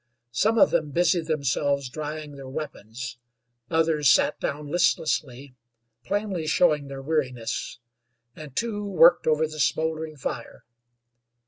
Some of them busied themselves drying their weapons; others sat down listlessly, plainly showing their weariness, and two worked over the smouldering fire.